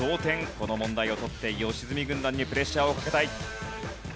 この問題を取って良純軍団にプレッシャーをかけたい。